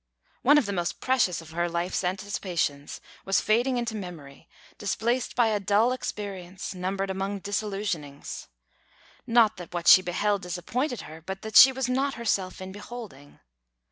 One of the most precious of her life's anticipations was fading into memory, displaced by a dull experience, numbered among disillusionings. Not that what she beheld disappointed her, but that she was not herself in beholding.